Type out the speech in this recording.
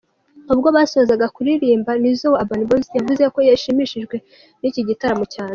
Ubwo basozaga kuririmba, Nizzo wa Urban Boy yavuze ko yashimishijwe n’iki gitaramo cyane.